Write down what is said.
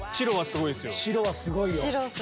白はすごいですよ。